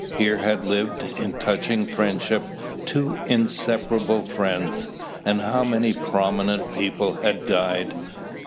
Here had lived, in touching friendship, two inseparable friends. And how many prominent people had died!